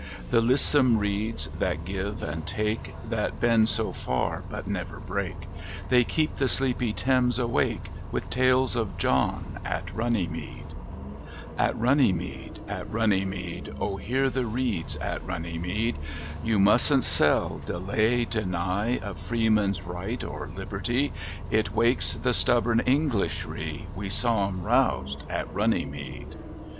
The lissom reeds that give and take, That bend so far, but never break. They keep the sleepy Thames awake With tales of John at Runnymede. INCLUSIVE EDITION, 1885 1918 751 At Runnymede, at Runnymede, Oh hear the reeds at Runnymede: â "You must n't sell, delay, deny, A freeman's right or liberty, It wakes the stubborn Englishry, We saw 'em roused at Runnymede!